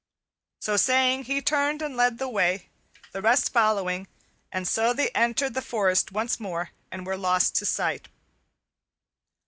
So saying, he turned and led the way, the rest following, and so they entered the forest once more and were lost to sight.